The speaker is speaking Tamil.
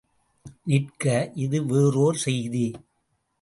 நிற்க இது வேறோர் செய்தி!